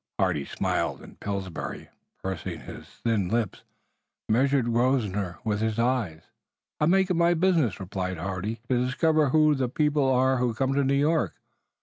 Hardy smiled, and Pillsbury, pursing his thin lips, measured Grosvenor with his eyes. "I make it my business," replied Hardy, "to discover who the people are who come to New York.